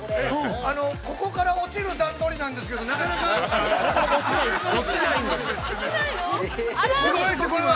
◆ここから落ちる段取りなんですけど、なかなか落ちないものです。